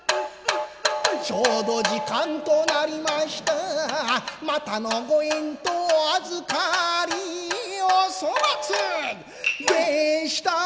ちょうど時間となりましたまたのご縁とお預かりお粗末でした